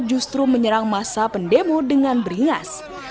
justru menyerang masa pendemo dengan beringas